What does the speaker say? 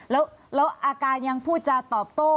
แล้วอาการยังพูดจาตอบโต้